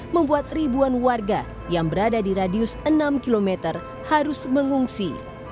membuat ribuan warga yang berada di radius enam km harus mengungsi